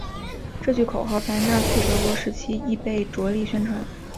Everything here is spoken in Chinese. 这句口号在纳粹德国时期亦被着力宣传。